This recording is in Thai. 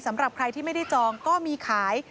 สำหรับใครที่ไม่ได้จองก็มีขาย